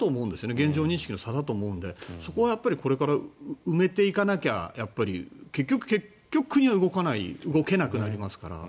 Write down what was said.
現状認識の差だと思うのでそこはこれから埋めていかなきゃ結局国は動けなくなりますから。